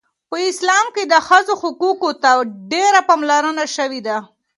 په اسلام کې د ښځو حقوقو ته ډیره پاملرنه شوې ده.